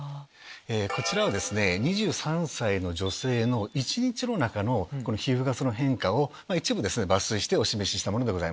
こちらはですね２３歳の女性の一日の中の皮膚ガスの変化を一部抜粋してお示ししたものです。